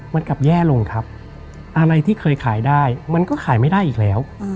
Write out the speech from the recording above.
มันกลับแย่ลงครับอะไรที่เคยขายได้มันก็ขายไม่ได้อีกแล้ว